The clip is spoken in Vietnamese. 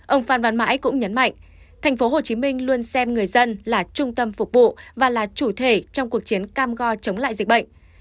ông phan văn mãi cũng nhấn mạnh thành phố hồ chí minh luôn xem người dân là trung tâm phục vụ và là chủ thể trong cuộc chiến cam go chống lại dịch bệnh